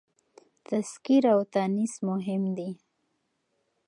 تذکير او تانيث مهم دي.